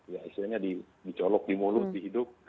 ya istilahnya dicolok di mulut di hidup